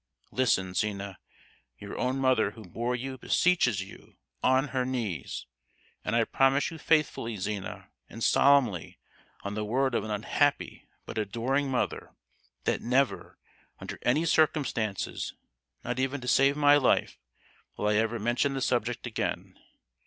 Listen, Zina, your own mother who bore you beseeches you, on her knees! And I promise you faithfully, Zina, and solemnly, on the word of an unhappy but adoring mother, that never, under any circumstances, not even to save my life, will I ever mention the subject again.